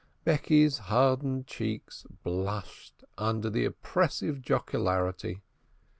Becky's hardened cheek blushed under the oppressive jocularity.